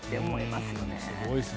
すごいですね。